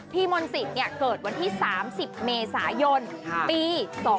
พี่มนต์สิทธิ์เนี่ยเกิดวันที่๓๐เมษายนปี๒๕๐๗